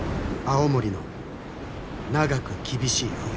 青森の長く厳しい冬。